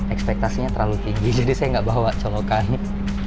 ekspektasinya terlalu tinggi jadi saya tidak membawa colokannya